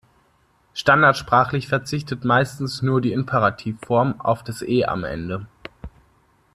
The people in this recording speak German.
Standardsprachlich verzichtet meistens nur die Imperativform auf das E am Ende.